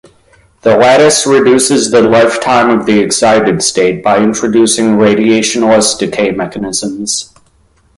The lattice reduces the lifetime of the excited state by introducing radiationless decay mechanisms.